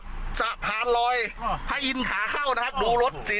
กินเหล้าหนึ่งเลยเนี่ยเมามึงกินเหล้าอย่ามาคุยโอ้เนี่ย